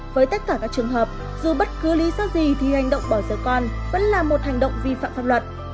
với tất cả các trường hợp dù bất cứ lý do gì thì hành động bỏ giờ con vẫn là một hành động vi phạm pháp luật